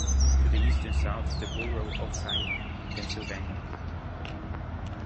To the east and south is the borough of Sayre, Pennsylvania.